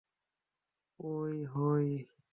ওই, হই।